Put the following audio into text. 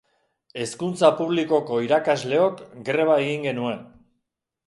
Hezkuntza Publikoko iraskasleok greba egin genuen.